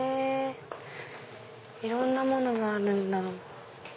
いろんなものがあるんだ。